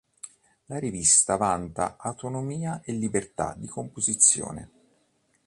La Rivista vanta autonomia e libertà di composizione.